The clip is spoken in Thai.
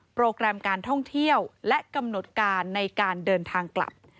แกรมการท่องเที่ยวและกำหนดการในการเดินทางกลับ